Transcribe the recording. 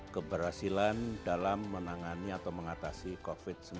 keberhasilan dalam menangani atau mengatasi covid sembilan belas